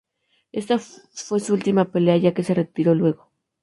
Esta fue su última pelea, ya que se retiró luego.